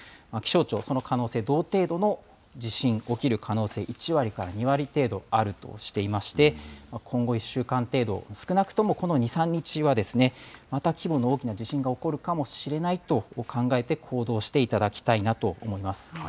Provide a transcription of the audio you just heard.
気象庁、その可能性、同程度の地震、起きる可能性、１割から２割程度あるとしていまして、今後１週間程度、少なくともこの２、３日はまた規模の大きな地震が起こるかもしれないと考えて行動していただきたいなと思います。